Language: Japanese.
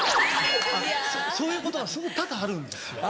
そういうことがすごく多々あるんですよ。